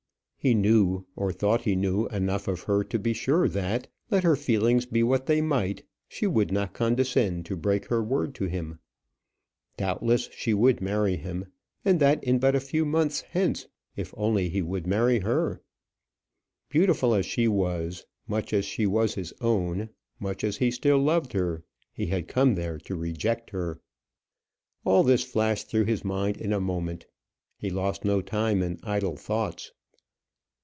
He knew, or thought he knew enough of her to be sure that, let her feelings be what they might, she would not condescend to break her word to him. Doubtless, she would marry him; and that in but a few months hence if only he would marry her! Beautiful as she was, much as she was his own, much as he still loved her, he had come there to reject her! All this flashed through his mind in a moment. He lost no time in idle thoughts.